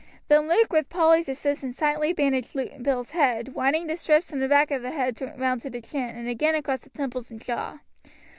Then Luke with Polly's assistance tightly bandaged Bill's head, winding the strips from the back of the head round to the chin, and again across the temples and jaw.